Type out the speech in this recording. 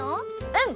うん！